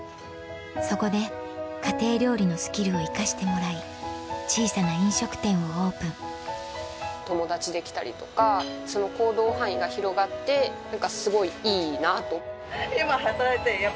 そこで家庭料理のスキルを生かしてもらい小さな飲食店をオープン友達できたりとかその行動範囲が広がって何かすごいいいなぁと。